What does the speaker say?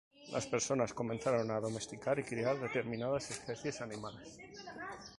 Las personas comenzaron a domesticar y criar determinadas especies animales.